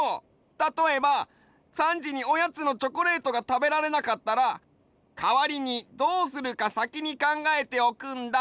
たとえば３じにおやつのチョコレートがたべられなかったらかわりにどうするかさきに考えておくんだ。